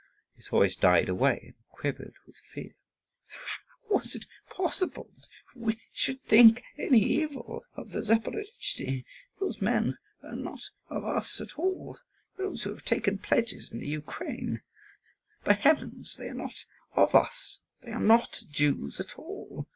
His voice died away and quivered with fear. "How was it possible that we should think any evil of the Zaporozhtzi? Those men are not of us at all, those who have taken pledges in the Ukraine. By heavens, they are not of us! They are not Jews at all.